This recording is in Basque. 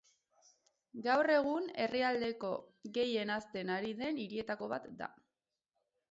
Gaur egun, herrialdeko gehien hazten ari den hirietako bat da.